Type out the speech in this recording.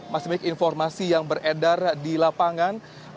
masih mik informasi yang beredar di lapangan